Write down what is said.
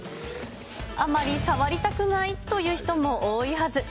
あんまり触りたくないという人も多いはず。